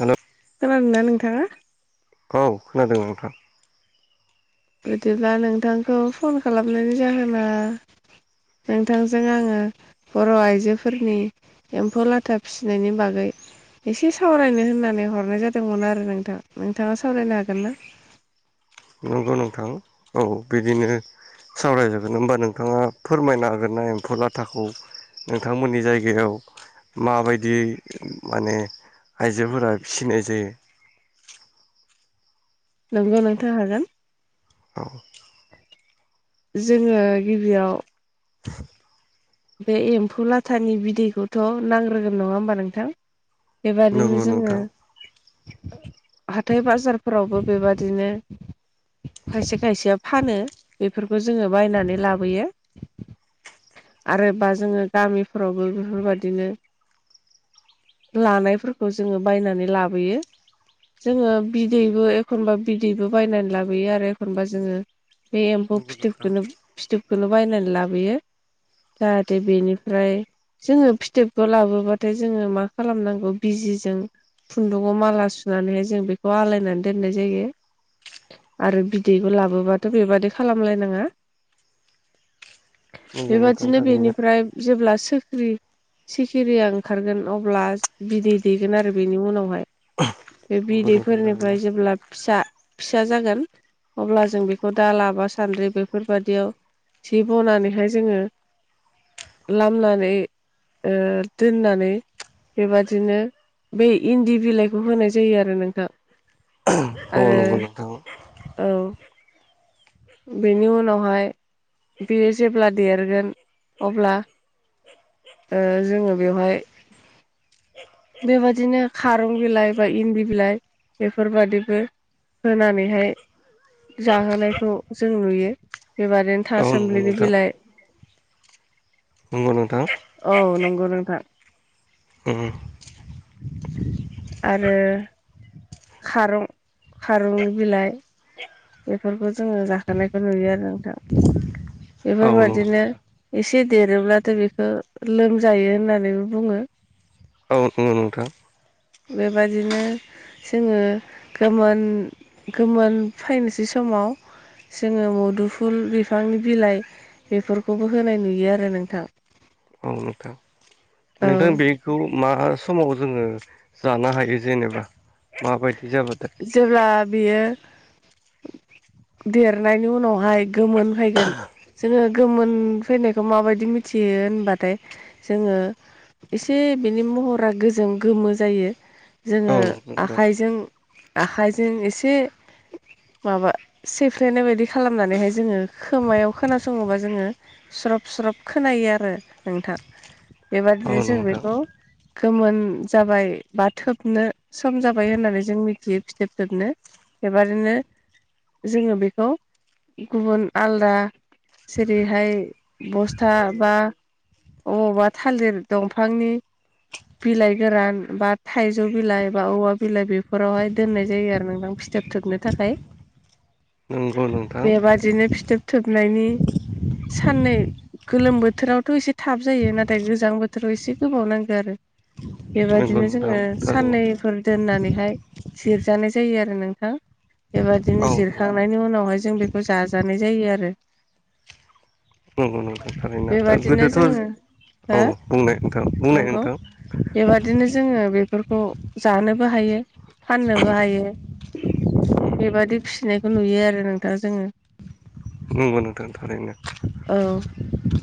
Hello खोनादोंना नोंथाङा? औ खोनादों नोंथां। बिदिब्ला नोंथांखौ फन खालामनायनि जाहोना नोंथांजों आङो बर' आइजोफोरनि एम्फौ लाथा फिसिनायनि बागै एसे सावरायनो होननानै हरनाय जादोंमोन आरो नोंथाङ नोंथाङा सावरायनो हागोन ना? [inaudible] नंगौ नोंथां औ बिदिनो सावरायजोबगोन होमबा नोंथाङा फोरमायनो हागिरनाय एम्फौ लाथाखौ नोंथांमोननि जायगायाव माबायदिय माने आइजोफोरा फिनाय जायो। [inaudible] नोंगौ नोंथां हागोन। औ जोङो गिबियाव बे एम्फौ लाथानि बिदैखौथ' नांग्रोगोन नङा होमबा नोंथां। बेबादिनो नंगौ जोङो नोंथां हाथाइ बाजारफोरावबो बेबादिनो खायसे खायसेया फानो बेफोरखौ जोङो बायनानै लाबोयो। आरोबा जोङो गामिफोरावबो बेफोरबायदिनो लानायफोरखौ जोङो बायनानै लाबोयो। जोङो बिदैबो एखनबा बिदैबो बायनानै लाबोयो आरो एखनबा जोङो बे एम्फौ नंगौ नोंथां फिथोबखौनो फिथोबखौनो बायनानै लाबोयो। जाहाथे बेनिफ्राय जोङो फिथोबखौ लाबोबाथाय जोङो मा खालामनांगौ बिजिजों खुन्दुंयाव माला नानैहाय जों बेखौ आलायनानै दोननाय जायो। आरो बिदैखौ लाबोबाथ' बेबादि खालामलायनाङा नोंगौ नोंगौ बेबादिनो बेनिफ्राय जेब्ला सोख्रि सिखिरिया ओंखारगोन अब्ला बिदै दैेगोन आरो बिनि उनावहाय बे नंगौ नोंथां थारैनो बिदैफोरनिफ्राय जेब्ला फिसा फिसा जागोन अब्ला जों बेखौ दा लाबा सान्द्रि बेफोरबादियाव सि बनानैहाय जोङो लामनानै ओ दोननानै बेबादिनो बै इन्दि बिलाइखौ होनाय जायो आरो नोंथां। औ आरो नंगौ नोंथां औ बेनि उनावहाय बेयो जेब्ला देरगोन अब्ला ओ जोङो बेवहाय बेबादिनो खारं बिलाइ बा इन्दि बिलाइ बेफोरबादिबो होनानैहाय जाहोनायखौ जों नुयो बेबादिनो औ नंगौ थासमब्लिनि नोंथां बिलाइ नंगौ नोंथां औ नंगौ नोंथां उम आरो खारं खारंनि बिलाइ बेफोरखौ जोङो जाखोनायखौ नुयो आरो नोंथां औ नंगौ बेफोरबायदिनो नोंथां ए से देरोब्लाथ' बेखौ लोमजायो होननानैबो बुङो। औ औ नोंथां बेबादिनो जोङो गोमोन गोमोन फैनोसै समाव जोङो मुदुफुल बिफांनि बिलाइ बेफोरखौबो होनाय नुयो आरो नोंथां औ नोंथां औ नोंथां बेखौ मा समाव जोङो जानो हायो जेनेबा माबायदि जाबाथाय जेब्ला बेयो देरनायनि उनावहाय गोमोन फैगोन जोङो गोमोन फैनायखौ माबायदि मिथियो होनबाथाय जोङो एसे बिनि महरा गोजों गोमो जायो औ जोङो नोंथां आखाइजों आखाइजों एसे माबा सेफ्लेनाय बायदि खालामनानैहाय जोङो खोमायाव खोनासङोबा जोङो स्रब स्रब खोनायो आरो नोंथां औ बेबादिनो जों नोंथां बेखौ गोमोन जाबाय बा थोबनो सम जाबाय होननानै जों मिथियो फिथोब थोबनो बेबादिनो जोङो बेखौ गुबुन आलदा जेरैहाय बस्था बा अबावबा थालिर दंफांनि बिलाइ गोरान बा थाइजौ बिलाइ बा औवा बिलाइ बेफोरावहाय दोननाय जायो आरो नोंथां फिथोब थोबनो थाखाय नंगौ नोंथां बेबादिनो फिथोब थोबनायनि साननै गोलोम बोथोरावथ' एसे थाब जायो नाथाय गोजां बोथोराव एसे गोबाव नांगौ आरो नंगौ बेबायदिनो नोंथां जोङो थारैनो फोर दोननानैहाय सेरजानाय जायो आरो नोंथां औ बेबादिनो नंगौ नोंथां जिरखांनायनि उनावहाय जों बेखौ जाजानाय जायो आरो नंगौ नोंथां थारैनो बेबादिनो गोदोथ' जोङो हो औ बुंनाय नोंथां बुंनाय नंगौ नोंथां बेबादिनो जोङो बेफोरखौ जानोबो हायो फाननोबो हायो बेबादि फिसिनायखौ नुयो आरो नोंथाङा जोङो नंगौ नोंथां थारैनो औ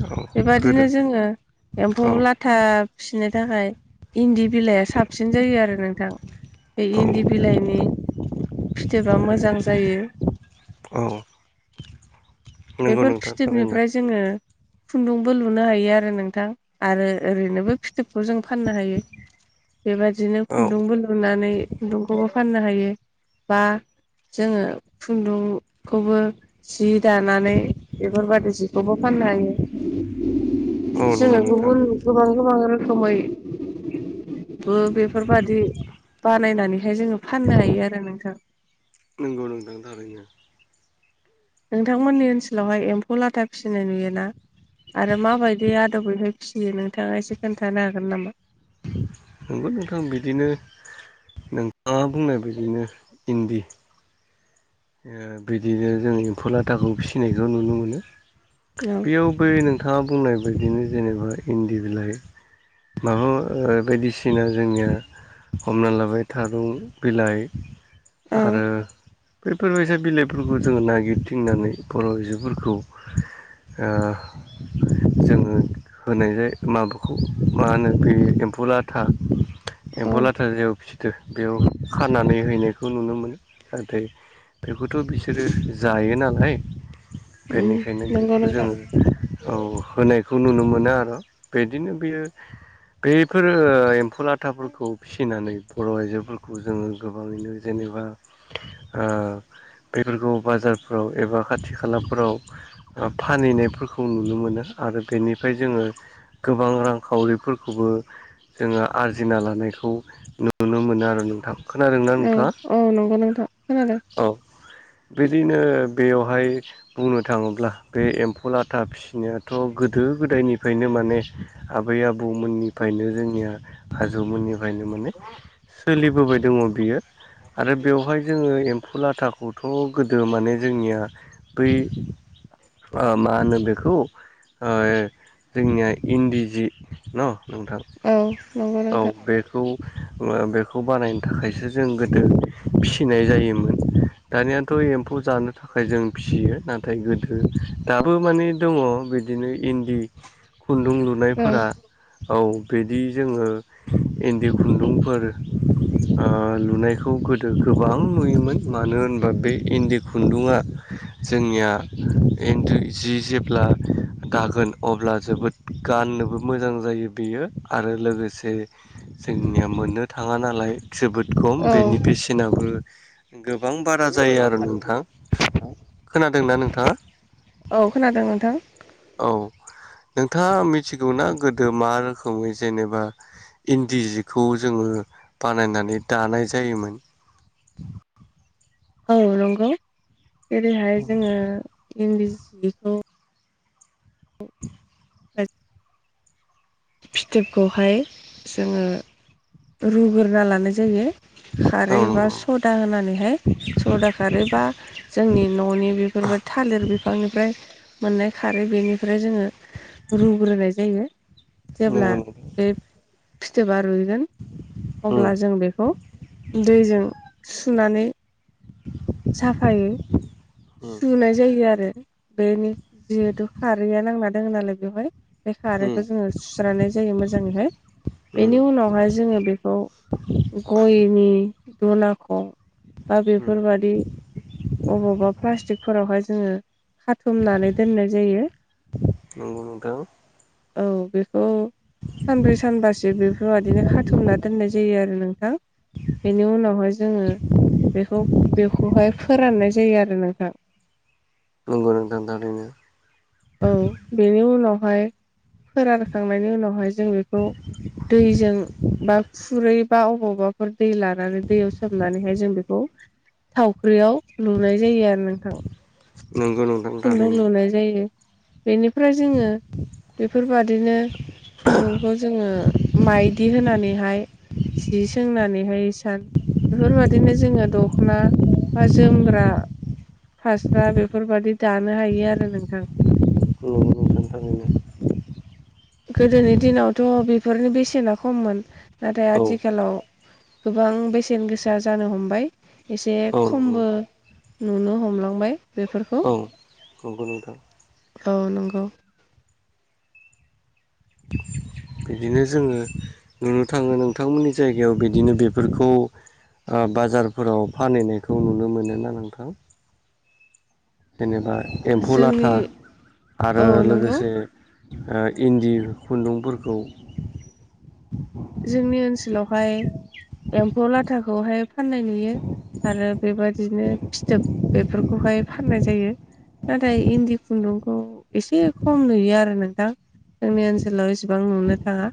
औ बेबादिनो गोदो जोङो एम्फौ औ लाथा फिसिनो थाखाय इन्दि बिलाइया साबसिन जायो आरो नोंथां बे औ इन्दि बिलाइनि फिथोबा मोजां जायो। औ नंगौ बेफोर नोंथां थारैनो फिथोबनिफ्राय जोङो खुन्दुंबो लुनो हायो आरो नोंथां आरो ओरैनोबो फिथोबखौ जों फाननो हायो। बेबादिनो औ खुन्दुंबो लुनानै खुन्दुंखौबो फाननो हायो बा जोङो खुन्दुंखौबो जि दानानै बेफोरबायदि जिखौबो फान नो हायो औ नंगौ जोङो नोंथां गुबुन गोबां गोबां रोखोमैबो बे फोरबादि बानायनानैहाय जोङो फाननो हायो आरो नोंथां नंगौ नोंथां थारैनो नोंथांमोननि ओनसोलावहाय एम्फौ लाथा फिसिनाय नुयोना आरो माबायदि आदबनिफ्राय फिसियो नोंथाङा एसे खोन्थानो हागोन नामा? नंगौ नोंथां बिदिनो नोंथाङा बुंनाय बिदिनो इन्दि बिदिनो जों एम्फौ लाथाखौ फिसिनायखौ नुनो मोनो। औ बेयाव बै नोंथाङा बुंनाय बायदिनो जेनेबा इन्दि बिलाइ माबा बायदिसिना जोंनिया हमना लाबाय थारुं बिलाइ आरो औ बेैफोरबायसा बिलाइफोरखौ जोङो नागिरथिंनानै बर' आयजोफोरखौ। ओ जोङो होनाय जाय माबाखौ मा होनो बे एम्फ। फौ लाथा। एम्फौ लाथा औ जेयाव फिथो बेयाव खानानै हैनायखौ नुनो मोनो नाथाय। बेखौथ' बिसोरो जायो नालाय। बेनिखायनो नंगौ बेखौ नोंथां जोङो औ होनायखौ नुनो मोनो। मोना आरो बेदिनो बेयो बैफोर एम्फौ लाथाफोरखौ फिनानै। बर' आइजोफोरखौ जोङो गोबाङैनो जेनेबा ओ। बेफोरखौ बाजारफोराव एबा खाथि खालाफोराव फानहैनायफोर। खौ नुनो मोनो आरो बेनिफ्राय जोङो गोबां रांखावरिफोरखौबो। जोङो आरजिना लानायखौ नुनो मोनो आरो नोंथां। खोनादों ना औ नोंथाङा औ नंगौ नोंथां खोनादों औ। बिदिनो बेयावहाय बुंनो थाङोब्ला बे एम्फौ लाथा फिसिनायाथ' गोद। गोदो गोदायनिफ्रायनो माने आबै आबौमोननिफ्रायनो जोंनिया आजौमोननि। थाखायनो माने सोलिबोबाय दोङो बियो आरो बेवहाय जोङो एम। फुलाथाखौथ' गोदो माने जोंनिया बै। ओ मा होनो बेखौ जोंनिया इन्दि जि ना। नोंथां औ नंगौ औ नोंथां बेखौ। ओ बेखौ बानायनो थाखायसो जों गोदो फिसिनाय जायोमोन दानिया। एम्फौ जानो थाख। जों फिसियो नाथाय गोदो दाबो माने दङ बिदिनो इन्द। जि खुन्दुं औ लुनायफोरा। औ बिदि जोङो इन्दि खुन्दुंफोर ओ लुनाय। बेखौ गोदो गोबां नुयोमोन। मानो होनबा बे इन्दि खुन्दुंआ जोंनिया इ जि जेब्ला। [inaudible] दागोन अब्ला जोबोद गाननोबो मोजां जायो बेयो आरो लोगोसे। जोंनिया मोननो थाङा नालाय जोबोद खम औ बेनि बेसेनाबो। गोबां बारा जायो आरो नोंथां खोनादोंना नोंथाङा। औ खोनादों नोंथां। औ नोंथाङा मिथिगौना गोदो मा रोखोमै जेनेबा। इन्दि सजखौ जोङो बानायनानै दानाय जायोमोन। [inaudible] औ नंगौ जेरैहाय जोङो इन्दिसजिखौ। [inaudible] हैथ। फिथोबखौहाय जोंङो रुग्रोना लानाय जायो। औ खारै बा नंगौ सदा होनानैहाय सदा खारै बा जोंनि न'नि बेफोर। बो थालिर बिफांनिफ्राय मोननाय खारै बेनिफ्राय जोङो रुग्रोनाय जायो। जेब्ला नंगौ नोंगौ। बे फिथोबा रुइगोन अब्ला जों बेखौ दैजों। सुनानै। साफायै उम सुनाय जायो आरो। बेनि जिहेथु खारैया नांना दोङो नालाय बेवहाय। बे उम खारैखौ जोङो सुस्रानाय जायो मोजाङैहाय। उम बेनि उनावहाय जोङो बेखौ गयनि। दनाखौ बा उम बेफोरबादि। अबावबा प्लास्टिकफोरावहाय जोङो खाथुमनानै दोननाय जायो। नंगौ नोंथां औ बेखौ सानब्रै सानबासो बेफोरबादिनो खाथुमना दोननाय जायो आरो नों। बेनि उनावहाय जोङो बेखौ बेखौहाय। फोराननाय जायो आरो नोंथां नंगौ नोंथां थारैनो। औ बेनि उनावहाय फोरानखांनायनि उनावहाय जों बेखौ। दैजों बा खुरै बा अबावबाफोर दै लानानै दैयाव सोमनानैहाय जों बेखौ। थावख्रियाव लुनाय जायो आरो नोंथां। नंगौ नोंथां खुन्दुं थारैनो लुनाय जायो बेनिफ्राय जोङो बेफोरबादिनो खुन्दुंखौ जोङो माइदि होनानैहाय। जि सोंनानैहाय बेफोरबायदिनो जोङो दख'ना बा जोमग्रा। फास्रा बेफोरबादि दानो हायो आरो नोंथां। नोंथांनिनो गोदोनि दिनावथ' बेफोरनि बेसेना खममोन नाथाय औ आथिखालाव। गोबां बेसेन गोसा जानो हमबाय। एसे औ नंगौ खमबो नोंथां नुनो हमलांबाय बेफोरखौ औ नंगौ नोंथां औ नंगौ। बिदिनो जोङो नुनो थाङो नोंथांमोननि जायगायाव बिदिनो बेफोरखौ बाजारफोराव फानहैनायखौ नुनो मोनो ना नोंथां। [inaudible] जेनेबा एमफौ जोंनि लाथा आरो औ नंगौ लोगोसे इन्दि खुन्दुंफोरखौ। जोंनि ओनसोलावहाय एमफौ लाथाखौहाय फाननाय नुयो। आरो बेबादिनो फिथोब बेफोरखौहाय फाननाय जायो। नाथाय इन्दि खुन्दुंखौ एसे खम नुयो आरो नोंथां। जोंनि ओनसोलाव इसेबां नुनो थाङा।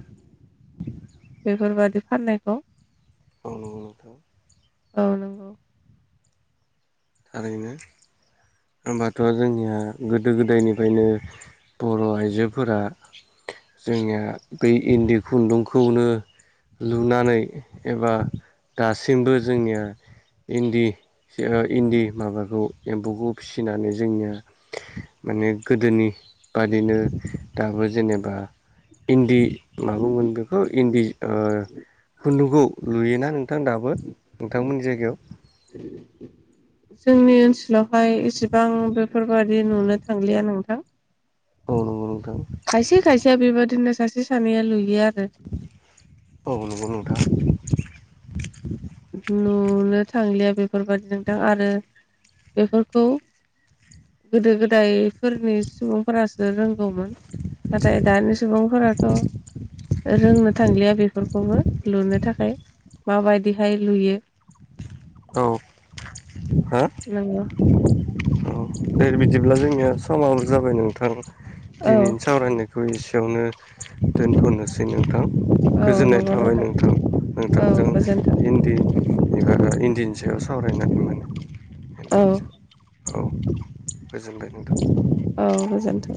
बेफोरबादि फाननायखौ औ नंगौ नोंथां औ नंगौ थारैनो होमबाथ' जोंनिया गोदो गोदायनिफ्रायनो बर' आइजोफोरा जोंनिया बै इन्दि खुन्दुंखौनो लुनानै एबा दासिमबो जोंनिया इन्दि इन्दि माबाखौ एमफौखौ फिसिनानै जोंनिया माने गोदोनि बादिनो दाबो जेनेबा इन्दि माबोमोन बेखौ इन्दि खुन्दुखौ लुयोना नोंथां दाबो नोंथांमोननि जायगायाव? जोंनि ओनसोलावहाय इसिबां बेफोरबादि नुनो थांलिया नोंथां। औ नंगौ नोंथां खायसे खायसे बेबायदिनो सासे सानैया लुयो आरो। औ नंगौ नोंथां नुनो थांलिया। बेफोरबायदि नोंथां आरो बेफोरखौ गोदो गोदायफोरनि सुबुंफोरासो रों गौमोन। नाथाय दानि सुबुंफोराथ' रोंनो थांलिया बे फोरखौबो लुनो थाखाय माबायदिहाय लुयो। औ हो नंगौ औ दे बिदि ब्ला जोंनिया समाबो जाबाय नोंथां औ दिनैनि सावरायनाया बेखौ एसेयावनो दोनथ'नोसै नोंथां। औ गोजोननाय नंगौ थाबाय नोंथां औ नोंथांजों गोजोन्थों इन्दि बिनि सायाव सावरायनानै औ औ गोजोनबाय नोंथां। औ गोजोनथों।